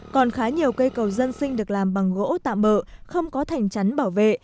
còn khá nhiều cây cầu dân sinh được làm bằng gỗ tạm bỡ không có thành chắn bảo vệ